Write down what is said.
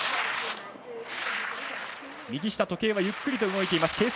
右下時計はゆっくりと動いています。